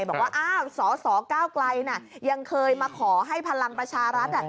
บอกว่าอ้าวสสก้าวไกลยังเคยมาขอให้พลังประชารัฐ